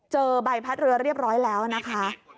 ใบพัดเรือเรียบร้อยแล้วนะคะ